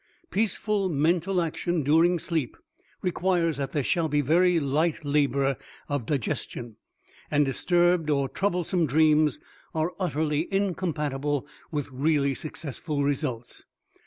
Peaceful mental action during sleep requires that there shall be very light labor of digestion, and disturbed or troublesome dreams are utterly incompatible with really successful results.